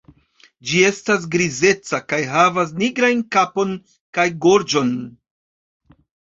Ĝi estas grizeca kaj havas nigrajn kapon kaj gorĝon.